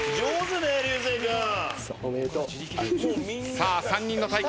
さあ３人の対決。